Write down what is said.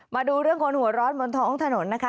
มาดูเรื่องคนหัวร้อนบนท้องถนนนะคะ